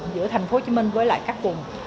giữa tp hcm với lại các vùng